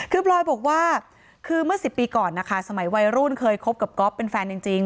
คือพลอยบอกว่าคือเมื่อ๑๐ปีก่อนนะคะสมัยวัยรุ่นเคยคบกับก๊อฟเป็นแฟนจริง